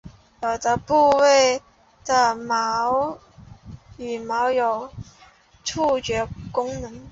有些部位的羽毛有触觉功能。